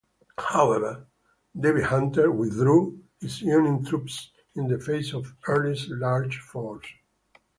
However, David Hunter withdrew his Union troops in the face of Early's larger force.